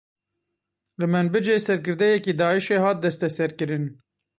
Li Menbicê serkirdeyekî Daişê hat desteserkirin.